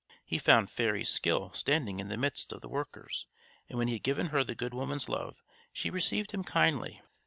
He found Fairy Skill standing in the midst of the workers; and when he had given her the good woman's love, she received him kindly.